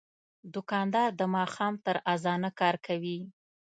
دوکاندار د ماښام تر اذانه کار کوي.